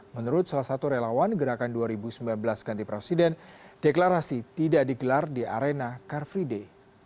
menurut salah satu relawan gerakan dua ribu sembilan belas ganti presiden deklarasi tidak digelar di arena car free day